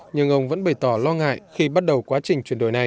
nhưng ông vẫn bày tỏ lo ngại khi bắt đầu quá trình chuyển đổi này